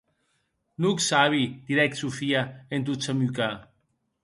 No'c sabi, didec Sofia en tot samucar.